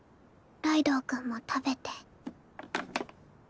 ライドウ君も食べて。